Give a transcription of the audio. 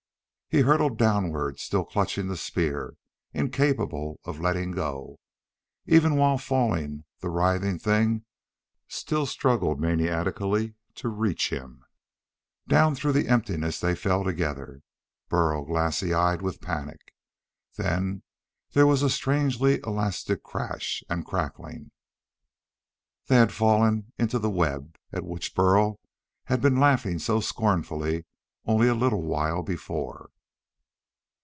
He hurtled downward, still clutching the spear, incapable of letting go. Even while falling the writhing thing still struggled maniacally to reach him. Down through emptiness they fell together, Burl glassy eyed with panic. Then there was a strangely elastic crash and crackling. They had fallen into the web at which Burl had been laughing so scornfully only a little while before.